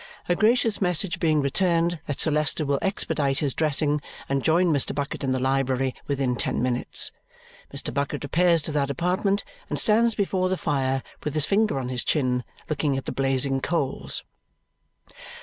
A gracious message being returned that Sir Leicester will expedite his dressing and join Mr. Bucket in the library within ten minutes, Mr. Bucket repairs to that apartment and stands before the fire with his finger on his chin, looking at the blazing coals.